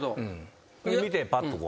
見てパッとこう。